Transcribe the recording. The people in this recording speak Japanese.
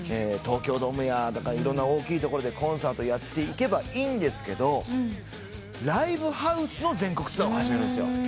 東京ドームやいろんな大きいところでコンサートやっていけばいいんですけどライブハウスの全国ツアーを始めるんですよ。